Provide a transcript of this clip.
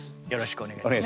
お願いします。